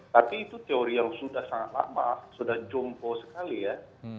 tapi itu teori yang sudah sangat lama sudah jompo sekali ya